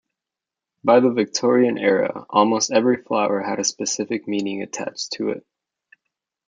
By the Victorian era, almost every flower had a specific meaning attached to it.